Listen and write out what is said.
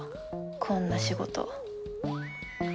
こんな仕事。